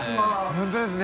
本当ですね。